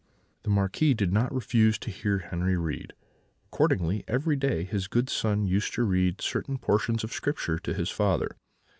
"The Marquis did not refuse to hear Henri read; accordingly, every day his good son used to read certain portions of Scripture to his father.